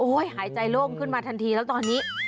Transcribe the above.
หายใจโล่งขึ้นมาทันทีแล้วตอนนี้